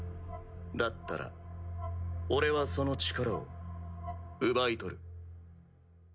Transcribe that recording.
だったら俺はその力を奪い取る。